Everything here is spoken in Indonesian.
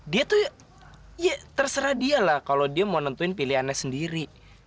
dia tuh ya terserah dia lah kalau dia mau nentuin pilihannya sendiri